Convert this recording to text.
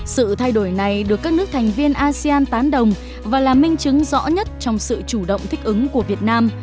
sự thay đổi này được các nước thành viên asean tán đồng và là minh chứng rõ nhất trong sự chủ động thích ứng của việt nam